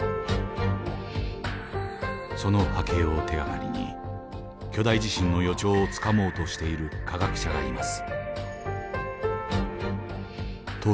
その波形を手がかりに巨大地震の予兆をつかもうとしている科学者がいます。